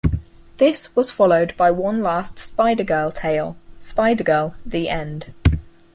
This was followed by one last Spider girl tale, "Spider-Girl: The End".